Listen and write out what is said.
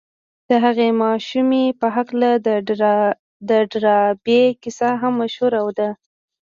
د هغې ماشومې په هکله د ډاربي کيسه هم مشهوره ده.